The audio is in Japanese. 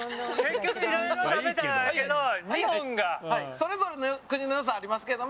それぞれの国の良さありますけれども。